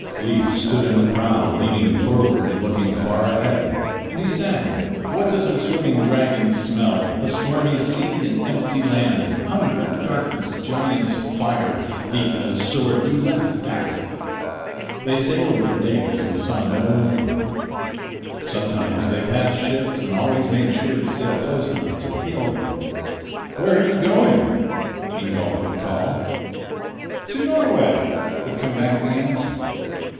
Leif stood in the prow leaning forward and looking far ahead, and he sang: "What does the swimming dragon smell? A stormy sea, an empty land, Hunger, darkness, giants, fire. Leif and his sword do laugh at that." They sailed for days and saw no land. Sometimes they passed ships and always made sure to sail close enough to hail them. "Where are you going?" Ingolf would call. "To Norway," would come back the answer.